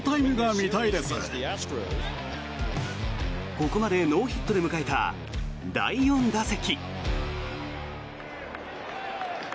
ここまでノーヒットで迎えた第４打席。